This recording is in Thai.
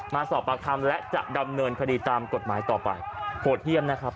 มาสอบปากคำและจะดำเนินคดีตามกฎหมายต่อไปโหดเยี่ยมนะครับ